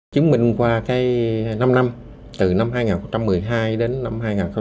chúng mình qua năm năm từ năm hai nghìn một mươi hai đến năm hai nghìn một mươi bảy